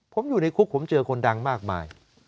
ผมอยู่ในคุกผมเจอคนดังมากมาย